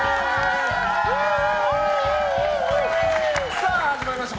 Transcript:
さあ、始まりました。